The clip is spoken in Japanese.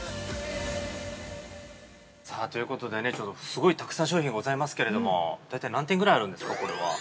◆さあということでね、ちょっとすごいたくさん商品がございますけれども、大体何点ぐらいあるんですか、これは。